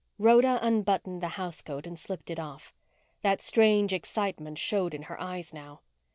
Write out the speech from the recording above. Rhoda unbuttoned the housecoat and slipped it off. That strange excitement showed in her eyes now.